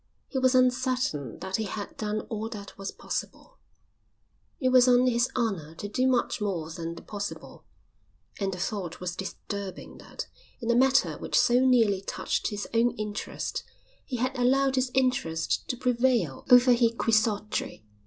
He was uncertain that he had done all that was possible, it was on his honour to do much more than the possible, and the thought was disturbing that, in a matter which so nearly touched his own interest, he had allowed his interest to prevail over his quixotry.